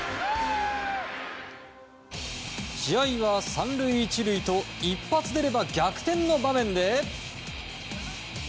試合は３塁１塁と一発が出れば逆転の場面で。